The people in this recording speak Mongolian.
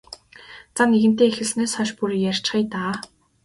За нэгэнтээ эхэлснээс хойш бүр ярьчихъя даа.